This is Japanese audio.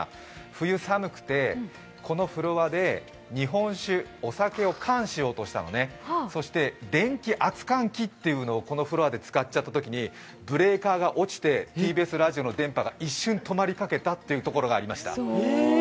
冬寒くてこのフロアで日本酒、お酒をお燗しようとしたのね、電気熱燗機というのをこのフロアで使っちゃったときにブレーカーが落ちてＴＢＳラジオの電波が一瞬止まりかけたということがありました。